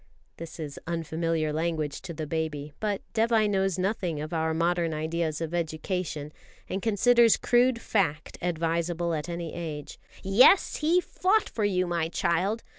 This is unfamiliar language to the baby; but Dévai knows nothing of our modern ideas of education, and considers crude fact advisable at any age. "Yes, he fought for you, my child.